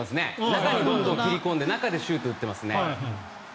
中にどんどん切り込んで中でシュートを打ってますね。